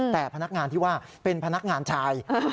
แต่พนักงานที่ว่าเป็นพนักงานชาย